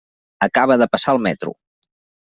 Acaba de passar el metro.